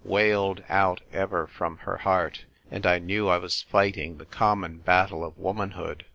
" wailed out ever from her heart ; and I knew I was fighting the com mon battle of womanhood.